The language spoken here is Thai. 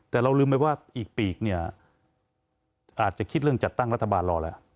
แต่เราลืมไปว่าอีกปีกเนี่ยอาจจะคิดเรื่องจัดตั้งรัฐบาลรอแล้ว